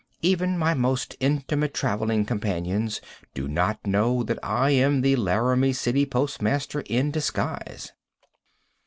Even my most intimate traveling companions do not know that I am the Laramie City postmaster in disguise.